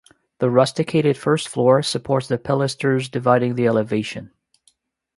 The rusticated first floor supports the pilasters dividing the elevation.